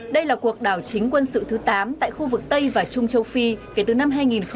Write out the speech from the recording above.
đây là cuộc đảo chính quân sự thứ tám tại khu vực tây và trung châu phi kể từ năm hai nghìn một mươi